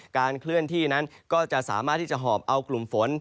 เคลื่อนที่นั้นก็จะสามารถที่จะหอบเอากลุ่มฝน